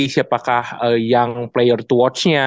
siapakah yang player to watch nya